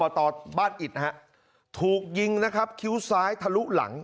ต่อบ้านอิดนะฮะถูกยิงนะครับคิ้วซ้ายทะลุหลัง